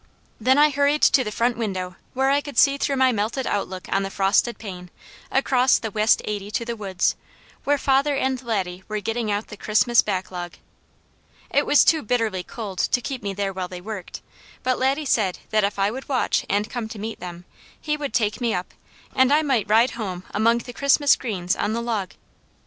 Then I hurried to the front window, where I could see through my melted outlook on the frosted pane, across the west eighty to the woods, where father and Laddie were getting out the Christmas backlog. It was too bitterly cold to keep me there while they worked, but Laddie said that if I would watch, and come to meet them, he would take me up, and I might ride home among the Christmas greens on the log.